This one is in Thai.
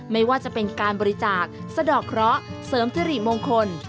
ไม่ว่าจะเป็นการบริจาคสะดอกเคราะห์เสริมสิริมงคล